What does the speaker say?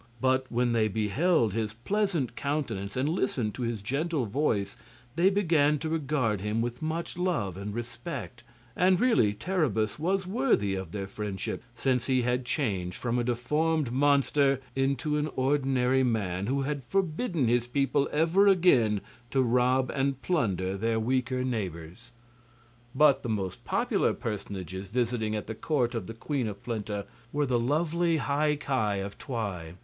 But when they beheld his pleasant countenance and listened to his gentle voice they began to regard him with much love and respect; and really Terribus was worthy of their friendship since he had changed from a deformed monster into an ordinary man, and had forbidden his people ever again to rob and plunder their weaker neighbors. But the most popular personages visiting at the court of the Queen of Plenta were the lovely High Ki of Twi.